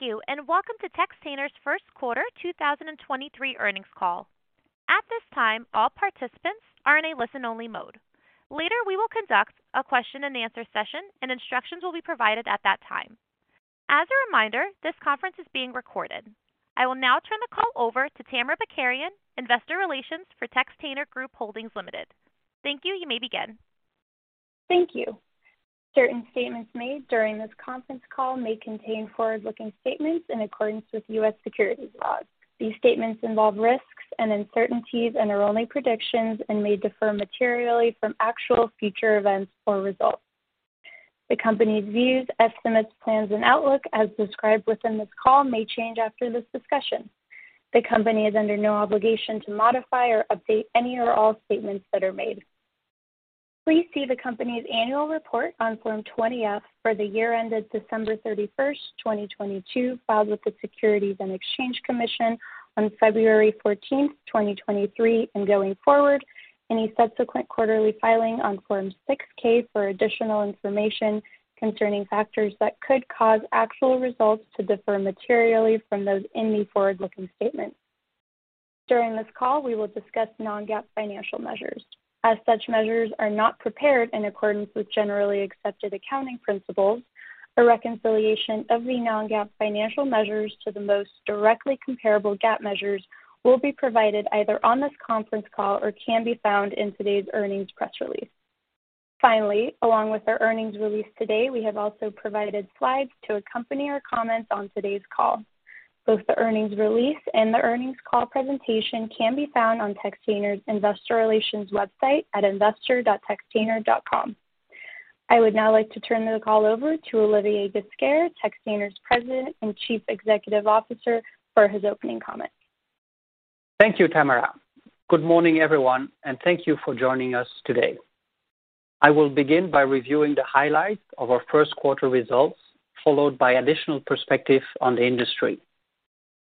Thank you. Welcome to Textainer's Q1 2023 earnings call. At this time, all participants are in a listen-only mode. Later, we will conduct a question and answer session, and instructions will be provided at that time. As a reminder, this conference is being recorded. I will now turn the call over to Tamara Bakarian, Investor Relations for Textainer Group Holdings Limited. Thank you. You may begin. Thank you. Certain statements made during this conference call may contain forward-looking statements in accordance with U.S. securities laws. These statements involve risks and uncertainties and are only predictions and may differ materially from actual future events or results. The company's views, estimates, plans, and outlook as described within this call may change after this discussion. The company is under no obligation to modify or update any or all statements that are made. Please see the company's annual report on Form 20-F for the year ended December 31, 2022, filed with the Securities and Exchange Commission on February 14, 2023, and going forward, any subsequent quarterly filing on Form 6-K for additional information concerning factors that could cause actual results to differ materially from those in the forward-looking statements. During this call, we will discuss non-GAAP financial measures. As such measures are not prepared in accordance with generally accepted accounting principles, a reconciliation of the non-GAAP financial measures to the most directly comparable GAAP measures will be provided either on this conference call or can be found in today's earnings press release. Along with our earnings release today, we have also provided slides to accompany our comments on today's call. Both the earnings release and the earnings call presentation can be found on Textainer's Investor Relations website at investor.textainer.com. I would now like to turn the call over to Olivier Ghesquiere, Textainer's President and Chief Executive Officer, for his opening comments. Thank you, Tamara. Good morning, everyone, thank you for joining us today. I will begin by reviewing the highlights of our Q1 results, followed by additional perspective on the industry.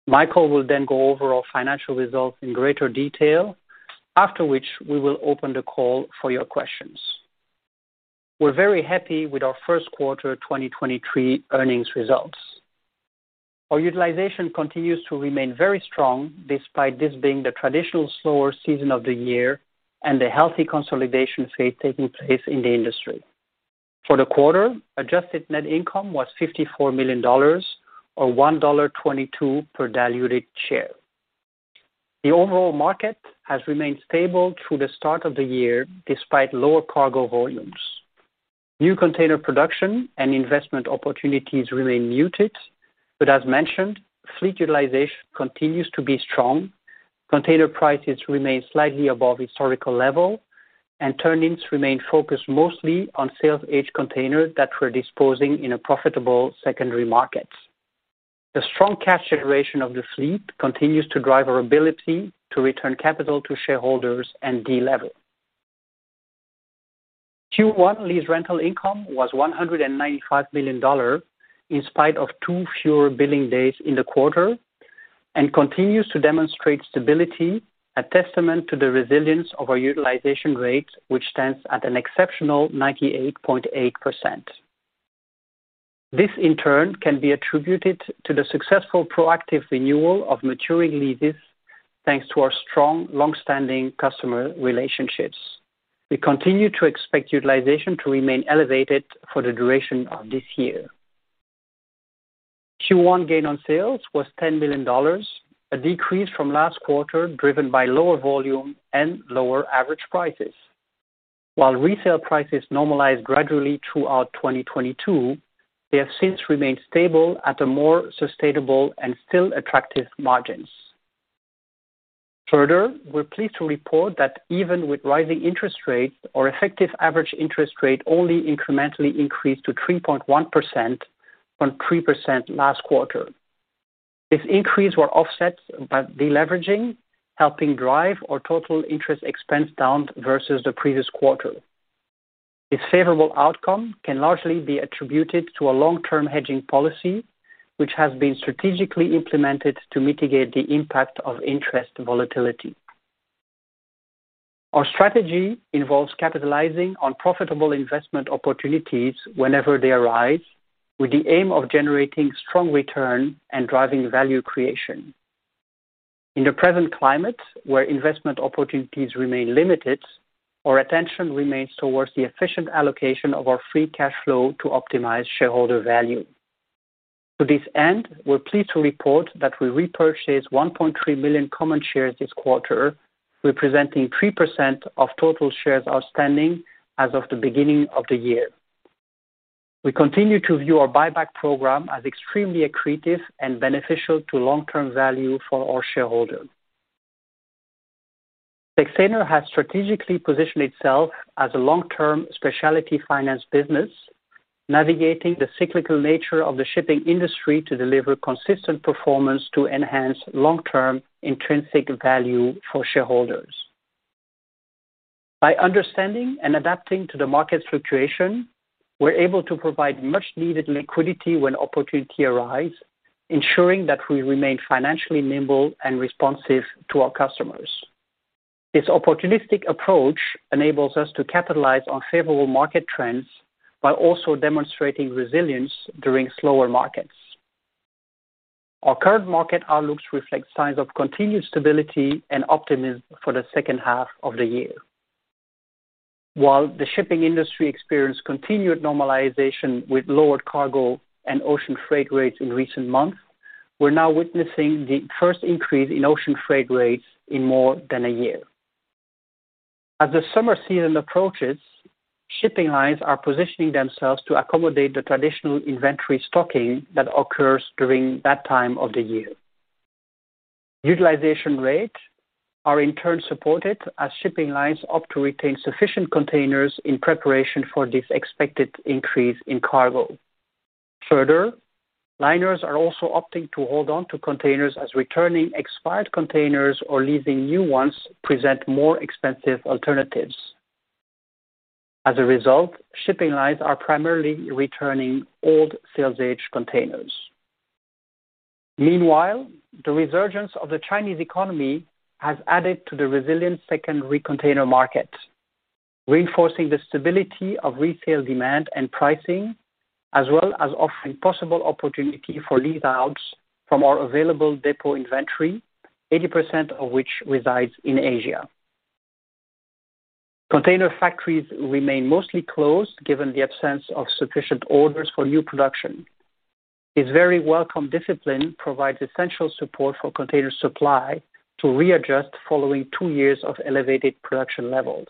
Michael will go over our financial results in greater detail, after which we will open the call for your questions. We're very happy with our Q1 2023 earnings results. Our utilization continues to remain very strong despite this being the traditional slower season of the year and the healthy consolidation phase taking place in the industry. For the quarter, adjusted net income was $54 million or $1.22 per diluted share. The overall market has remained stable through the start of the year despite lower cargo volumes. New container production and investment opportunities remain muted, as mentioned, fleet utilization continues to be strong. Container prices remain slightly above historical level, and turn-ins remain focused mostly on sales age containers that we're disposing in a profitable secondary market. The strong cash generation of the fleet continues to drive our ability to return capital to shareholders and delever. Q1 lease rental income was $195 million in spite of two fewer billing days in the quarter and continues to demonstrate stability, a testament to the resilience of our utilization rate, which stands at an exceptional 98.8%. This, in turn, can be attributed to the successful proactive renewal of maturing leases, thanks to our strong, long-standing customer relationships. We continue to expect utilization to remain elevated for the duration of this year. Q1 gain on sales was $10 million, a decrease from last quarter driven by lower volume and lower average prices. While resale prices normalized gradually throughout 2022, they have since remained stable at a more sustainable and still attractive margins. Further, we're pleased to report that even with rising interest rates, our effective average interest rate only incrementally increased to 3.1% from 3% last quarter. This increase were offset by deleveraging, helping drive our total interest expense down versus the previous quarter. This favorable outcome can largely be attributed to a long-term hedging policy, which has been strategically implemented to mitigate the impact of interest volatility. Our strategy involves capitalizing on profitable investment opportunities whenever they arise, with the aim of generating strong return and driving value creation. In the present climate, where investment opportunities remain limited, our attention remains towards the efficient allocation of our free cash flow to optimize shareholder value. To this end, we're pleased to report that we repurchased 1.3 million common shares this quarter, representing 3% of total shares outstanding as of the beginning of the year. We continue to view our buyback program as extremely accretive and beneficial to long-term value for our shareholders. Textainer has strategically positioned itself as a long-term specialty finance business, navigating the cyclical nature of the shipping industry to deliver consistent performance to enhance long-term intrinsic value for shareholders. By understanding and adapting to the market fluctuation, we're able to provide much-needed liquidity when opportunity arise, ensuring that we remain financially nimble and responsive to our customers. This opportunistic approach enables us to capitalize on favorable market trends while also demonstrating resilience during slower markets. Our current market outlooks reflect signs of continued stability and optimism for the second half of the year. While the shipping industry experienced continued normalization with lowered cargo and ocean freight rates in recent months, we're now witnessing the first increase in ocean freight rates in more than a year. As the summer season approaches, shipping lines are positioning themselves to accommodate the traditional inventory stocking that occurs during that time of the year. Utilization rates are in turn supported as shipping lines opt to retain sufficient containers in preparation for this expected increase in cargo. Further, liners are also opting to hold on to containers as returning expired containers or leasing new ones present more expensive alternatives. As a result, shipping lines are primarily returning old sales age containers. Meanwhile, the resurgence of the Chinese economy has added to the resilient secondary container market, reinforcing the stability of resale demand and pricing, as well as offering possible opportunity for lease outs from our available depot inventory, 80% of which resides in Asia. Container factories remain mostly closed given the absence of sufficient orders for new production. This very welcome discipline provides essential support for container supply to readjust following 2 years of elevated production levels.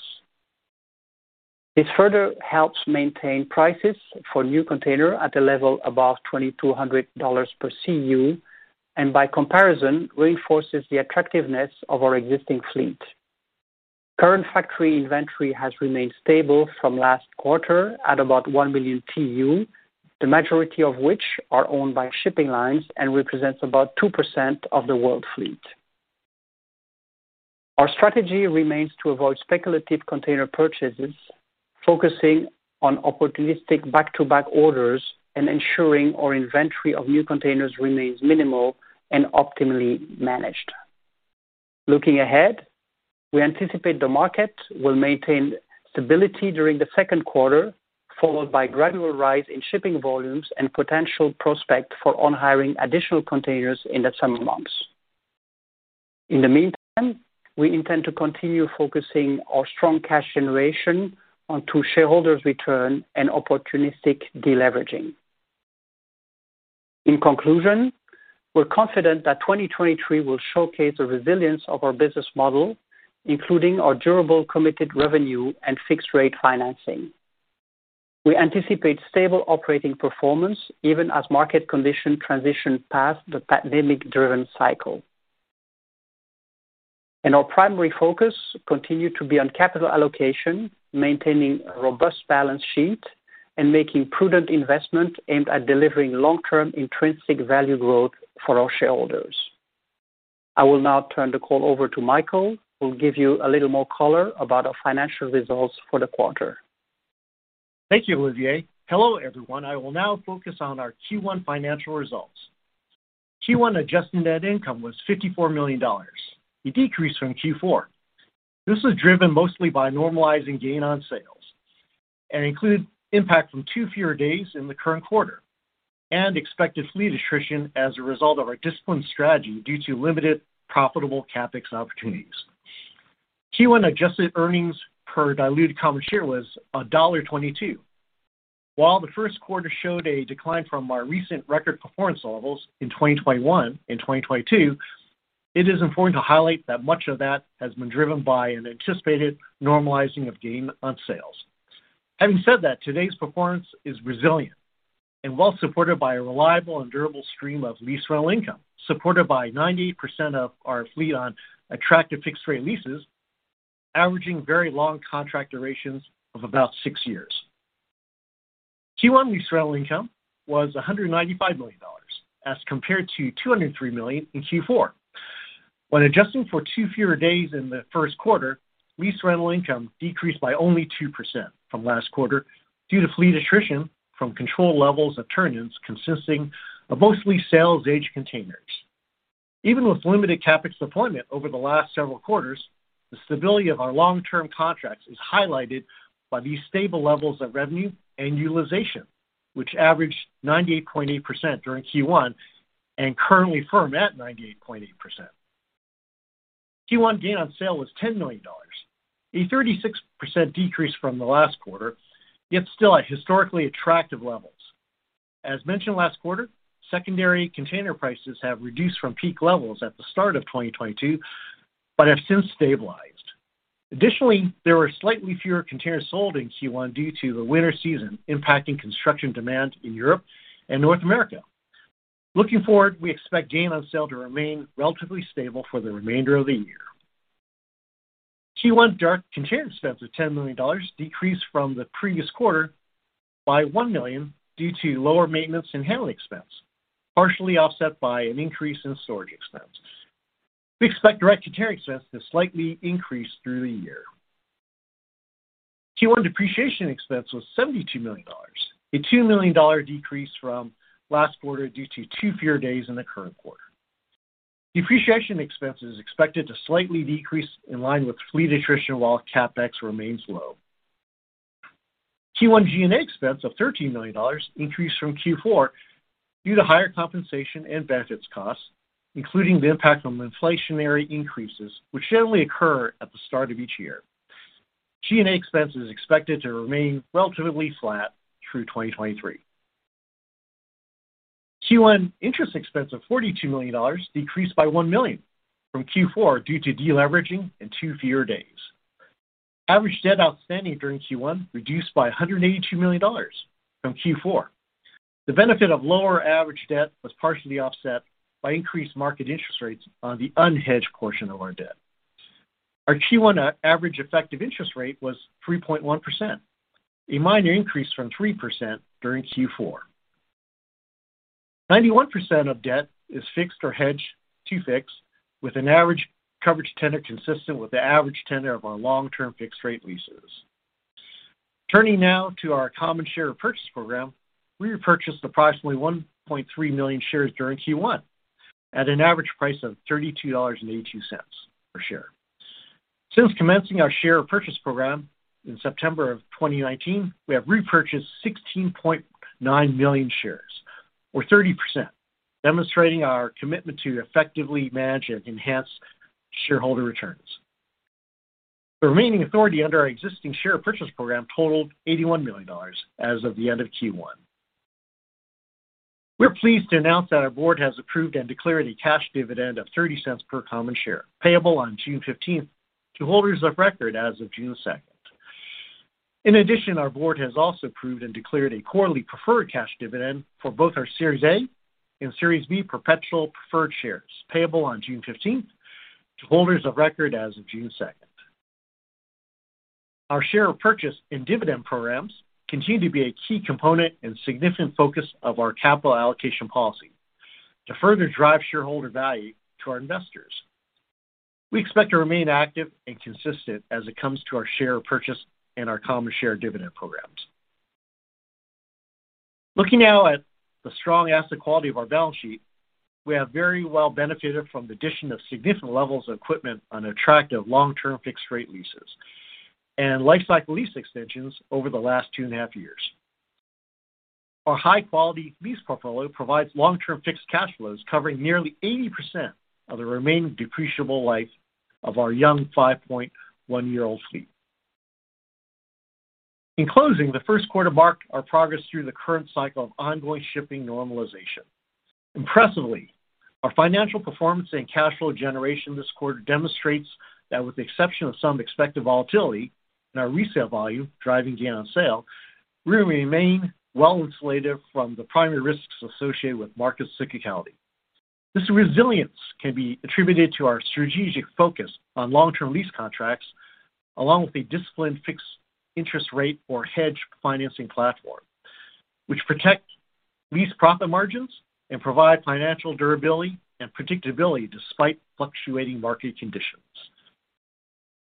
This further helps maintain prices for new container at a level above $2,200 per CEU, and by comparison, reinforces the attractiveness of our existing fleet. Current factory inventory has remained stable from last quarter at about 1 million TEU, the majority of which are owned by shipping lines and represents about 2% of the world fleet. Our strategy remains to avoid speculative container purchases, focusing on opportunistic back-to-back orders and ensuring our inventory of new containers remains minimal and optimally managed. Looking ahead, we anticipate the market will maintain stability during the second quarter, followed by gradual rise in shipping volumes and potential prospect for on hiring additional containers in the summer months. In the meantime, we intend to continue focusing our strong cash generation on to shareholders return and opportunistic deleveraging. In conclusion, we're confident that 2023 will showcase the resilience of our business model, including our durable committed revenue and fixed rate financing. Our primary focus continue to be on capital allocation, maintaining a robust balance sheet and making prudent investment aimed at delivering long-term intrinsic value growth for our shareholders. I will now turn the call over to Michael, who will give you a little more color about our financial results for the quarter. Thank you, Olivier. Hello, everyone. I will now focus on our Q1 financial results. Q1 adjusted net income was $54 million, a decrease from Q4. This was driven mostly by normalizing gain on sales and include impact from 2 fewer days in the current quarter and expected fleet attrition as a result of our disciplined strategy due to limited profitable CapEx opportunities. Q1 adjusted earnings per diluted common share was $1.22. While the Q1 showed a decline from our recent record performance levels in 2021 and 2022, it is important to highlight that much of that has been driven by an anticipated normalizing of gain on sales. Having said that, today's performance is resilient and well supported by a reliable and durable stream of lease rental income, supported by 90% of our fleet on attractive fixed rate leases, averaging very long contract durations of about 6 years. Q1 lease rental income was $195 million as compared to $203 million in Q4. When adjusting for 2 fewer days in the Q1, lease rental income decreased by only 2% from last quarter due to fleet attrition from control levels of turn ins consisting of mostly sales age containers. Even with limited CapEx deployment over the last several quarters, the stability of our long-term contracts is highlighted by these stable levels of revenue and utilization, which averaged 98.8% during Q1 and currently firm at 98.8%. Q1 gain on sale was $10 million, a 36% decrease from the last quarter, yet still at historically attractive levels. As mentioned last quarter, secondary container prices have reduced from peak levels at the start of 2022, but have since stabilized. Additionally, there were slightly fewer containers sold in Q1 due to the winter season impacting construction demand in Europe and North America. Looking forward, we expect gain on sale to remain relatively stable for the remainder of the year. Q1 direct container expense of $10 million decreased from the previous quarter by $1 million due to lower maintenance and handling expense, partially offset by an increase in storage expense. We expect direct container expense to slightly increase through the year. Q1 depreciation expense was $72 million, a $2 million decrease from last quarter due to 2 fewer days in the current quarter. Depreciation expense is expected to slightly decrease in line with fleet attrition while CapEx remains low. Q1 G&A expense of $13 million increased from Q4 due to higher compensation and benefits costs, including the impact from inflationary increases, which generally occur at the start of each year. G&A expense is expected to remain relatively flat through 2023. Q1 interest expense of $42 million decreased by $1 million from Q4 due to deleveraging and two fewer days. Average debt outstanding during Q1 reduced by $182 million from Q4. The benefit of lower average debt was partially offset by increased market interest rates on the unhedged portion of our debt. Our Q1 average effective interest rate was 3.1%, a minor increase from 3% during Q4. 91% of debt is fixed or hedged to fix with an average coverage tenor consistent with the average tenor of our long-term fixed-rate leases. Turning now to our common share purchase program. We repurchased approximately 1.3 million shares during Q1 at an average price of $32.82 per share. Since commencing our share purchase program in September of 2019, we have repurchased 16.9 million shares, or 30%, demonstrating our commitment to effectively manage and enhance shareholder returns. The remaining authority under our existing share purchase program totaled $81 million as of the end of Q1. We're pleased to announce that our board has approved and declared a cash dividend of $0.30 per common share, payable on June 15th to holders of record as of June 2nd. In addition, our board has also approved and declared a quarterly preferred cash dividend for both our Series A and Series B perpetual preferred shares, payable on June 15th to holders of record as of June 2nd. Our share purchase and dividend programs continue to be a key component and significant focus of our capital allocation policy to further drive shareholder value to our investors. We expect to remain active and consistent as it comes to our share purchase and our common share dividend programs. Looking now at the strong asset quality of our balance sheet. We have very well benefited from the addition of significant levels of equipment on attractive long-term fixed-rate leases and Life Cycle Lease extensions over the last 2.5 years. Our high-quality lease portfolio provides long-term fixed cash flows covering nearly 80% of the remaining depreciable life of our young 5.1-year-old fleet. In closing, the Q1 marked our progress through the current cycle of ongoing shipping normalization. Impressively, our financial performance and cash flow generation this quarter demonstrates that with the exception of some expected volatility in our resale volume driving gain on sale, we remain well insulated from the primary risks associated with market cyclicality. This resilience can be attributed to our strategic focus on long-term lease contracts, along with a disciplined fixed interest rate or hedged financing platform, which protect lease profit margins and provide financial durability and predictability despite fluctuating market conditions.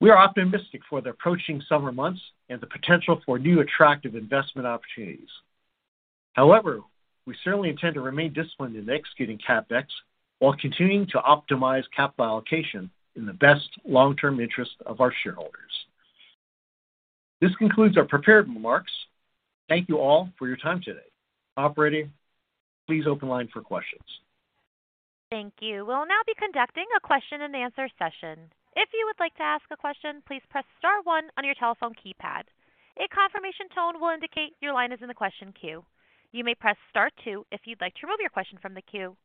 We are optimistic for the approaching summer months and the potential for new attractive investment opportunities. We certainly intend to remain disciplined in executing CapEx while continuing to optimize capital allocation in the best long-term interest of our shareholders. This concludes our prepared remarks. Thank you all for your time today. Operator, please open the line for questions. Thank you. We'll now be conducting a question and answer session. If you would like to ask a question, please press star one on your telephone keypad. A confirmation tone will indicate your line is in the question queue. You may press Star two if you'd like to remove your question from the queue.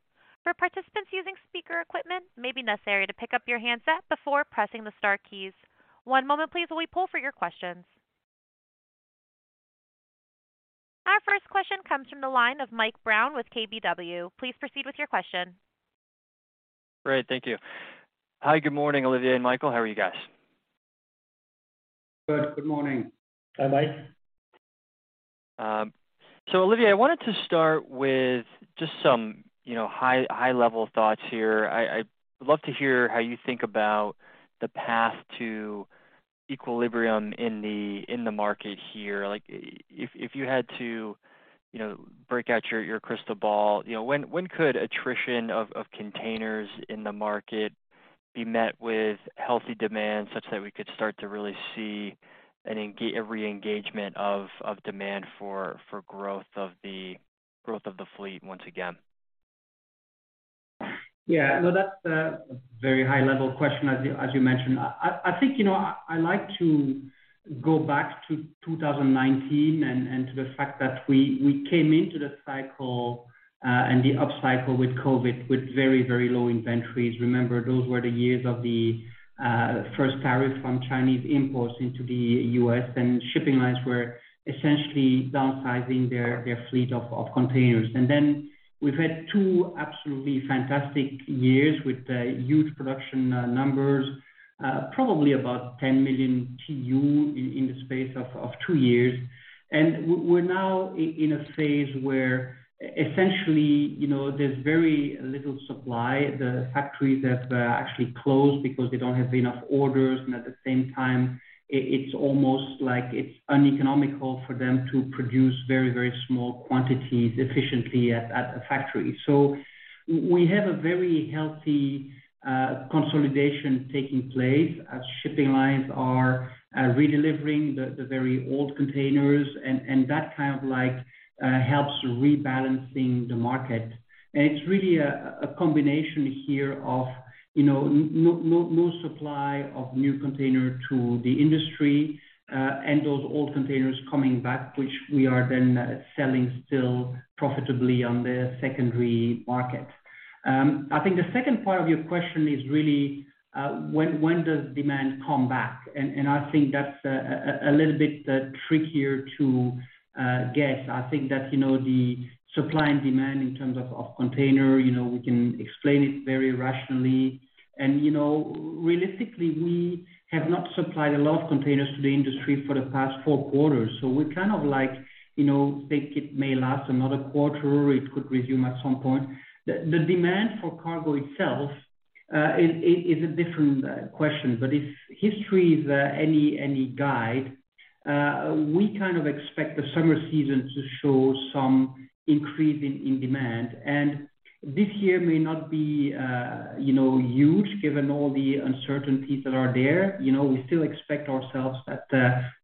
For participants using speaker equipment, it may be necessary to pick up your handset before pressing the star keys. One moment please, while we poll for your questions. Our first question comes from the line of Michael Brown with KBW. Please proceed with your question. Great. Thank you. Hi. Good morning, Olivier and Michael. How are you guys? Good. Good morning. Hi, Mike. Olivier, I wanted to start with just some, you know, high-level thoughts here. I would love to hear how you think about the path to equilibrium in the, in the market here. If you had to, you know, break out your crystal ball, you know, when could attrition of containers in the market be met with healthy demand such that we could start to really see a re-engagement of demand for growth of the fleet once again? Yeah. No, that's a very high level question, as you mentioned. I think, you know, I like to go back to 2019 and to the fact that we came into the cycle and the upcycle with COVID with very low inventories. Remember, those were the years of the first tariff on Chinese imports into the U.S. Shipping lines were essentially downsizing their fleet of containers. Then we've had two absolutely fantastic years with huge production numbers, probably about 10 million TEU in the space of two years. We're now in a phase where essentially, you know, there's very little supply. The factories have actually closed because they don't have enough orders. At the same time, it's almost like it's uneconomical for them to produce very small quantities efficiently at a factory. We have a very healthy consolidation taking place as shipping lines are redelivering the very old containers, and that kind of like helps rebalancing the market. It's really a combination here of, you know, no supply of new container to the industry, and those old containers coming back, which we are then selling still profitably on the secondary market. I think the second part of your question is really when does demand come back? I think that's a little bit trickier to guess. I think that, you know, the supply and demand in terms of container, you know, we can explain it very rationally. You know, realistically, we have not supplied a lot of containers to the industry for the past four quarters. We kind of like, you know, think it may last another quarter, it could resume at some point. The demand for cargo itself is a different question. If history is any guide, we kind of expect the summer season to show some increase in demand. This year may not be, you know, huge given all the uncertainties that are there. You know, we still expect ourselves that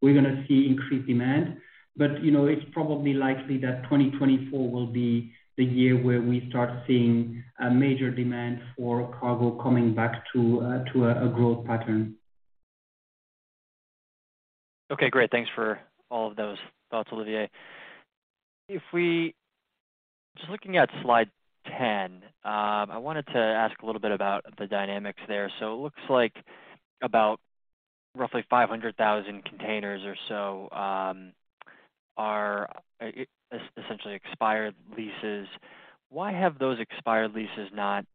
we're gonna see increased demand. you know, it's probably likely that 2024 will be the year where we start seeing a major demand for cargo coming back to a growth pattern. Okay, great. Thanks for all of those thoughts, Olivier. Just looking at slide 10, I wanted to ask a little bit about the dynamics there. It looks like about roughly 500,000 containers or so, are essentially expired leases. Why have those expired leases not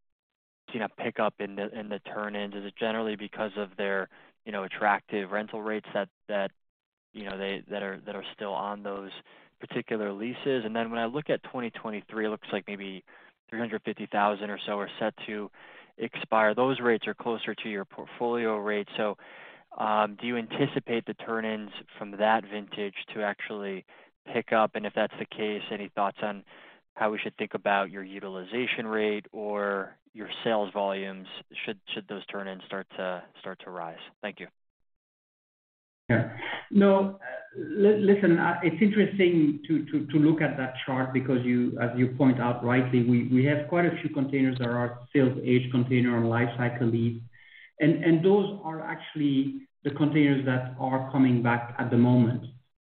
seen a pickup in the, in the turn-ins? Is it generally because of their, you know, attractive rental rates that, you know, they, that are, that are still on those particular leases? When I look at 2023, it looks like maybe 350,000 or so are set to expire. Those rates are closer to your portfolio rate. Do you anticipate the turn-ins from that vintage to actually pick up? If that's the case, any thoughts on how we should think about your utilization rate or your sales volumes should those turn-ins start to rise? Thank you. Yeah. No, listen, it's interesting to look at that chart because you, as you point out rightly, we have quite a few containers that are sales age container and Life Cycle Lease. Those are actually the containers that are coming back at the moment.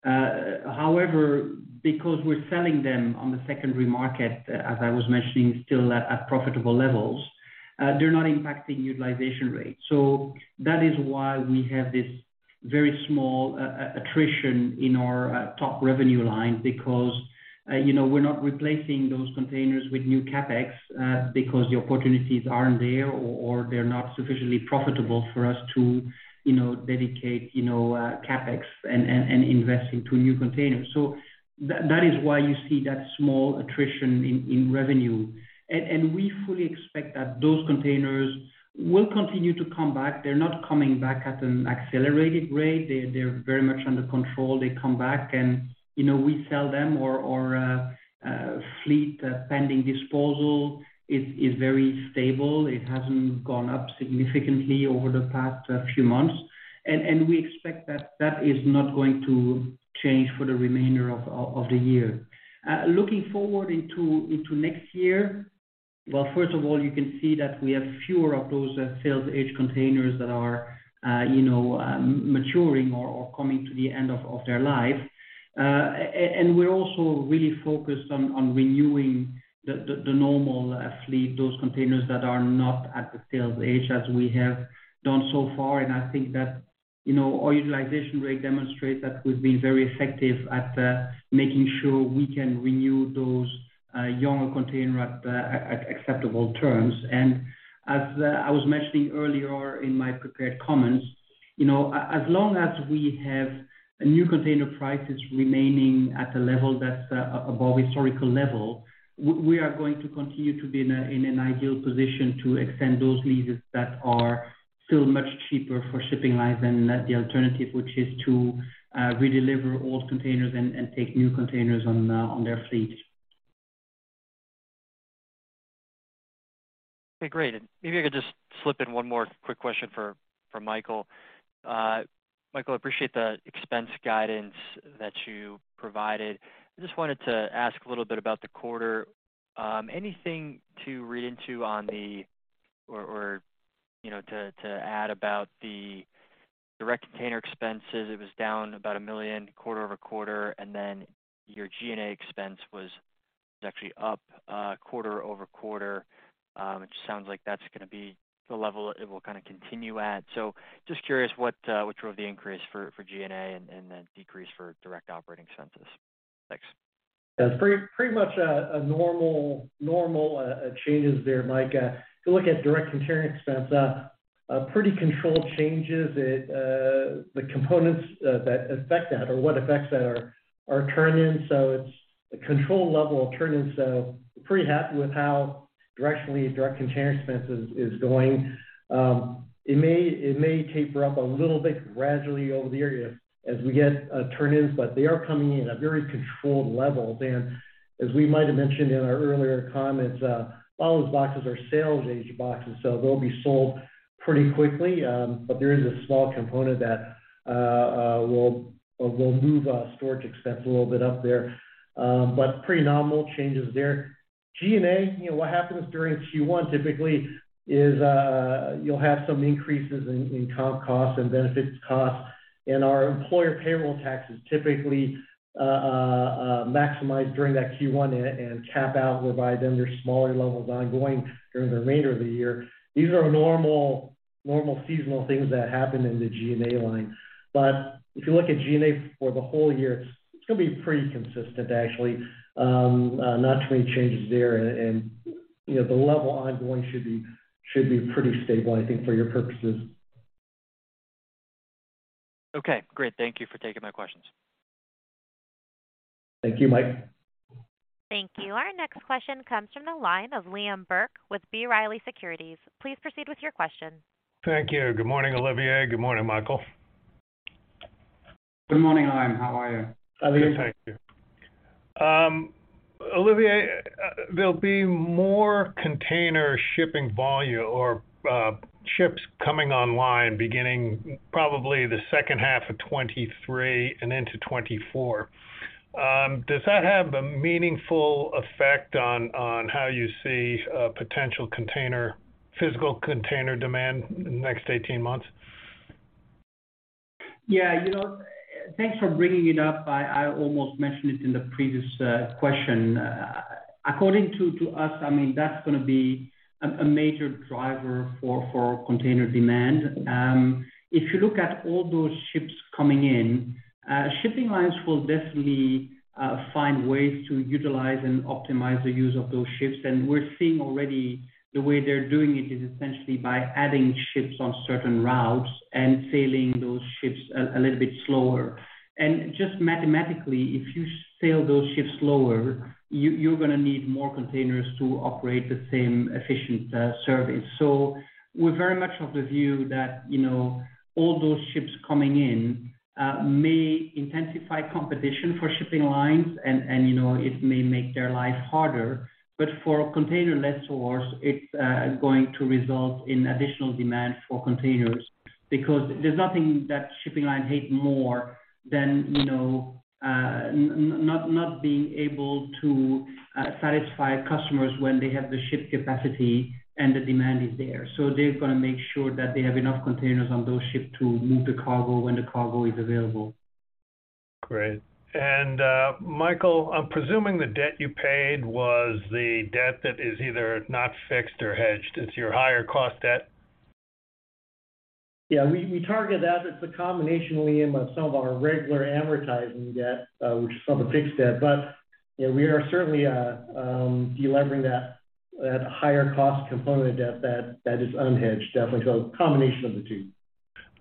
However, because we're selling them on the secondary market, as I was mentioning, still at profitable levels, they're not impacting utilization rates. That is why we have this very small attrition in our top revenue line because, you know, we're not replacing those containers with new CapEx because the opportunities aren't there or they're not sufficiently profitable for us to, you know, dedicate, you know, CapEx and invest into new containers. That is why you see that small attrition in revenue. We fully expect that those containers will continue to come back. They're not coming back at an accelerated rate. They're very much under control. They come back and, you know, we sell them or fleet pending disposal is very stable. It hasn't gone up significantly over the past few months. We expect that that is not going to change for the remainder of the year. Looking forward into next year, well, first of all, you can see that we have fewer of those sales age containers that are, you know, maturing or coming to the end of their life. And we're also really focused on renewing the normal fleet, those containers that are not at the sales age as we have done so far. I think that, you know, our utilization rate demonstrates that we've been very effective at making sure we can renew those younger container at acceptable terms. As I was mentioning earlier in my prepared comments, you know, as long as we have new container prices remaining at a level that's above historical level, we are going to continue to be in an ideal position to extend those leases that are still much cheaper for shipping lines than the alternative, which is to redeliver old containers and take new containers on their fleet. Okay, great. Maybe I could just slip in one more quick question for Michael. Michael, I appreciate the expense guidance that you provided. I just wanted to ask a little bit about the quarter. Anything to read into on the, or, you know, to add about the direct container expenses? It was down about $1 million quarter-over-quarter. Your G&A expense was actually up quarter-over-quarter. It just sounds like that's gonna be the level it will kinda continue at. Just curious what drove the increase for G&A and then decrease for direct operating expenses. Thanks. Yeah. It's pretty much a normal changes there, Mike. If you look at direct container expense, pretty controlled changes. The components that affect that or what affects that are turn-ins. It's a control level of turn-ins, so pretty happy with how directionally direct container expense is going. It may taper up a little bit gradually over the year as we get turn-ins, but they are coming in at very controlled levels. As we might have mentioned in our earlier comments, all those boxes are sales aged boxes, so they'll be sold pretty quickly. But there is a small component that will move storage expense a little bit up there. But pretty nominal changes there. G&A, you know, what happens during Q1 typically is, you'll have some increases in comp costs and benefits costs, and our employer payroll taxes typically maximize during that Q1 and cap out, whereby then there's smaller levels ongoing during the remainder of the year. These are normal seasonal things that happen in the G&A line. If you look at G&A for the whole year, it's gonna be pretty consistent actually. Not too many changes there. You know, the level ongoing should be pretty stable, I think, for your purposes. Okay, great. Thank you for taking my questions. Thank you, Mike. Thank you. Our next question comes from the line of Liam Burke with B. Riley Securities. Please proceed with your question. Thank you. Good morning, Olivier. Good morning, Michael. Good morning, Liam. How are you? Olivier. Good, thank you. Olivier, there'll be more container shipping volume or ships coming online beginning probably the second half of 2023 and into 2024. Does that have a meaningful effect on how you see potential container, physical container demand in the next 18 months? Yeah, you know, thanks for bringing it up. I almost mentioned it in the previous question. According to us, I mean, that's gonna be a major driver for container demand. If you look at all those ships coming in, shipping lines will definitely find ways to utilize and optimize the use of those ships. We're seeing already the way they're doing it is essentially by adding ships on certain routes and sailing those ships a little bit slower. Just mathematically, if you sail those ships slower, you're gonna need more containers to operate the same efficient service. We're very much of the view that, you know, all those ships coming in, may intensify competition for shipping lines and, you know, it may make their life harder, but for container lessors, it's going to result in additional demand for containers because there's nothing that shipping line hate more than, you know, not being able to satisfy customers when they have the ship capacity and the demand is there. They're gonna make sure that they have enough containers on those ships to move the cargo when the cargo is available. Great. Michael, I'm presuming the debt you paid was the debt that is either not fixed or hedged. It's your higher cost debt? Yeah. We targeted that. It's a combination, Liam, of some of our regular amortizing debt, which is some of the fixed debt. You know, we are certainly delevering that higher cost component of debt that is unhedged, definitely. A combination of the two.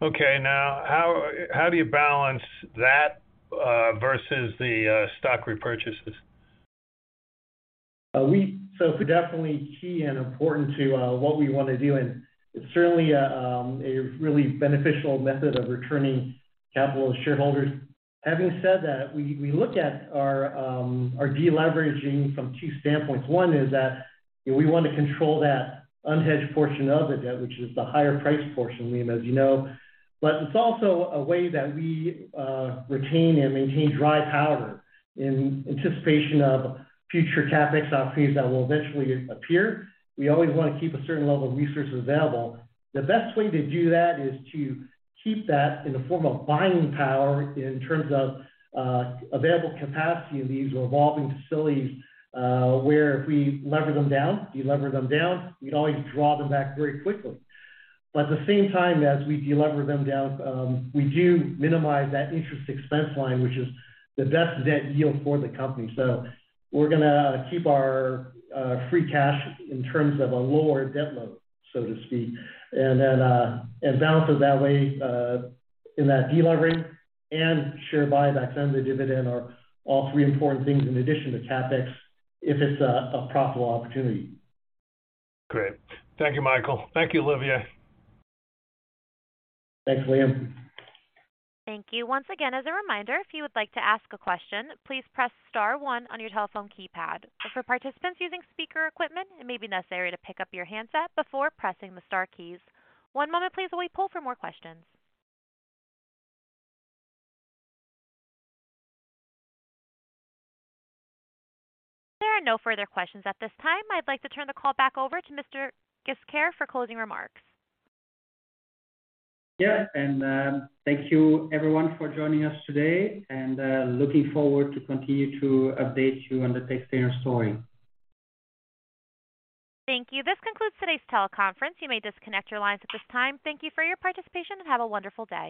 Okay. How do you balance that versus the stock repurchases? Definitely key and important to what we wanna do, and it's certainly a really beneficial method of returning capital to shareholders. Having said that, we look at our deleveraging from two standpoints. One is that, you know, we want to control that unhedged portion of the debt, which is the higher priced portion, Liam, as you know. It's also a way that we retain and maintain dry powder in anticipation of future CapEx opportunities that will eventually appear. We always wanna keep a certain level of resources available. The best way to do that is to keep that in the form of buying power in terms of available capacity in these revolving facilities, where if we lever them down, de-lever them down, we'd always draw them back very quickly. At the same time as we de-lever them down, we do minimize that interest expense line, which is the best debt yield for the company. We're gonna keep our free cash in terms of a lower debt load, so to speak, and then balance it that way, in that de-levering and share buybacks and the dividend are all three important things in addition to CapEx if it's a profitable opportunity. Great. Thank you, Michael. Thank you, Olivier. Thanks, Liam. Thank you. Once again, as a reminder, if you would like to ask a question, please press star one on your telephone keypad. For participants using speaker equipment, it may be necessary to pick up your handset before pressing the star keys. One moment please while we pull for more questions. There are no further questions at this time. I'd like to turn the call back over to Mr. Ghesquiere for closing remarks. Yeah. Thank you everyone for joining us today, and, looking forward to continue to update you on the Textainer story. Thank you. This concludes today's teleconference. You may disconnect your lines at this time. Thank you for your participation, and have a wonderful day.